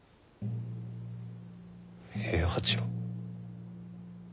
平八郎？